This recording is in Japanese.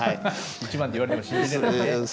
一番って言われても信じれないね。